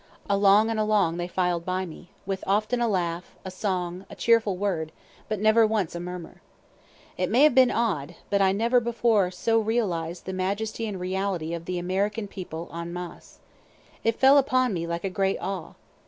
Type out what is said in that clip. Along and along they filed by me, with often a laugh, a song, a cheerful word, but never once a murmur. It may have been odd, but I never before so realized the majesty and reality of the American people en masse. It fell upon me like a great awe.